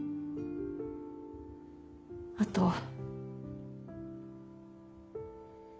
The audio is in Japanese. あと。